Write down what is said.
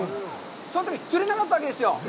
そのとき釣れなかったわけですよ。